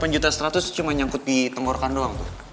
delapan juta seratus cuma nyangkut di tenggorokan doang